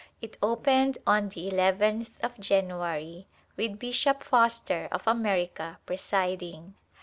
It opened on the nth of January with Bishop Foster of America presiding.